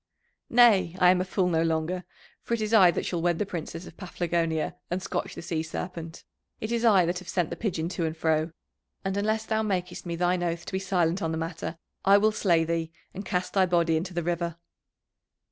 "Nay, I am a fool no longer, for it is I that shall wed the Princess of Paphlagonia and scotch the Sea Serpent, it is I that have sent the pigeon to and fro, and unless thou makest me thine oath to be silent on the matter I will slay thee and cast thy body into the river."